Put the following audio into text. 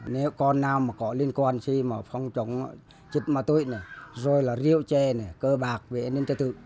nếu con nào mà có liên quan gì mà phòng chống chết ma túy này rồi là rượu che này cơ bạc về nên chết tự